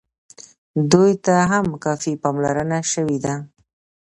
دوی ته هم کافي پاملرنه شوې ده.